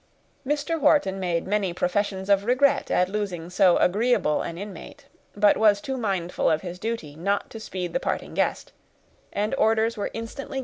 Mr. Wharton made many professions of regret at losing so agreeable an inmate; but was too mindful of his duty not to speed the parting guest, and orders were instantly given to that effect.